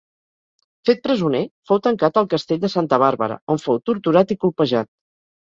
Fet presoner, fou tancat al Castell de Santa Bàrbara, on fou torturat i colpejat.